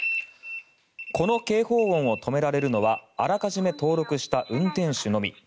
この警報音を止められるのはあらかじめ登録した運転手のみ。